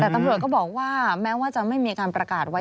แต่ตำรวจก็บอกว่าแม้ว่าจะไม่มีการประกาศไว้